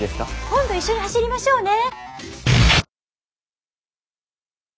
今度一緒に走りましょうね。